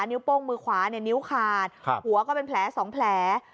นิ้วโป้งมือขวาเนี่ยนิ้วขาดหัวก็เป็นแผลสองแผล